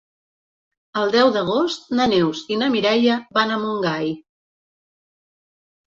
El deu d'agost na Neus i na Mireia van a Montgai.